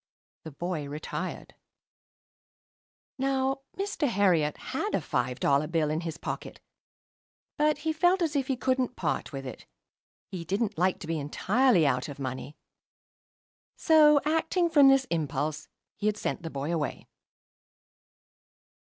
The boy retired. Now, Mr. Herriot had a five dollar bill in his pocket; but, he felt as if he couldn't part with it. He didn't like to be entirely out of money. So, acting from this impulse, he had sent the boy away.